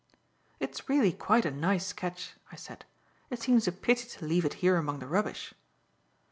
"It's really quite a nice sketch," I said; "it seems a pity to leave it here among the rubbish."